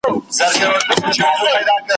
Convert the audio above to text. نه له ویري سوای له غاره راوتلای ,